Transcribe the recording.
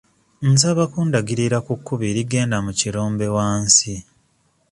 Nsaba kundagirira ku kkubo erigenda mu kirombe wansi.